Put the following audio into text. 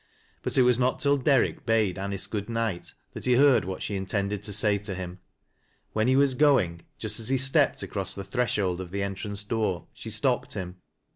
13ut it was not till Derrick bade An ice good night, thai he heard what she intended to say tc him. When he was going, just as he stepped across the threshold of the en trance door, she stopped him.